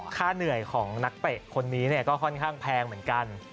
ค่าเหนื่อยของนักเตะคนนี้ก็ค่อนข้างแพงเหมือนกัน